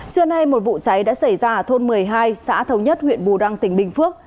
trưa nay một vụ cháy đã xảy ra ở thôn một mươi hai xã thống nhất huyện bù đăng tỉnh bình phước